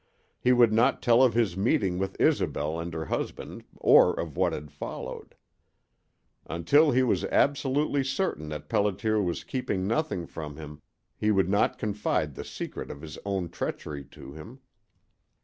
He would not tell of his meeting with Isobel and her husband or of what had followed. Until he was absolutely certain that Pelliter was keeping nothing from him he would not confide the secret of his own treachery to him.